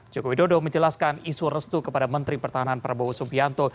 joko widodo menjelaskan isu restu kepada menteri pertahanan prabowo subianto